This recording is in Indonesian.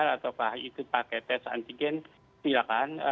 atau apakah itu pakai tes antigen silakan